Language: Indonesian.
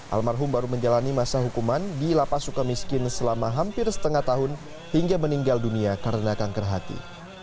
almarhum baru menjalani masa hukuman di lapas suka miskin selama hampir setengah tahun hingga meninggal dunia karena kanker hati